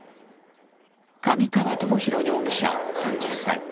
神川友宏容疑者、３０歳。